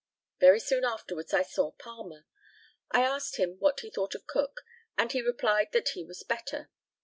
Very soon afterwards I saw Palmer. I asked him what he thought of Cook, and he replied that he was better.